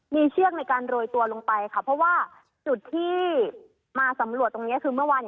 มีเชือกในการโรยตัวลงไปค่ะเพราะว่าจุดที่มาสำรวจตรงนี้คือเมื่อวาน